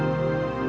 aku sudah lebih